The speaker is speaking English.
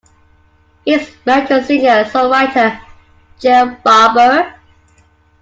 He is married to singer-songwriter Jill Barber.